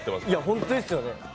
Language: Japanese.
本当ですよね。